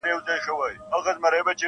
د فرنګ پر کهاله ځکه شور ما شور سو-